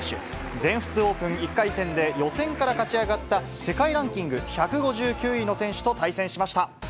全仏オープン１回戦で、予選から勝ち上がった世界ランキング１５９位の選手と対戦しました。